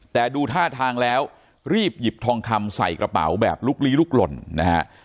แต่ดูท่าทางแล้วรีบหยิบทองคำใส่กระเป๋าแบบลุกลี้ลุกหล่นนะฮะ